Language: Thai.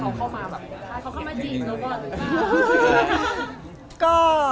เขาเข้ามาจริงแล้วก็